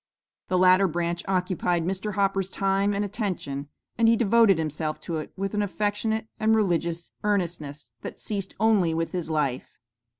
The latter branch occupied Mr. Hopper's time and attention, and he devoted himself to it with an affectionate and religious earnestness that ceased only with his life.